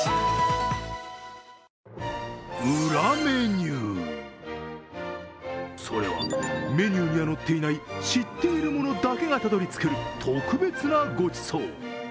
裏メニュー、それはメニューには載っていない知っている者だけがたどり着ける特別なごちそう。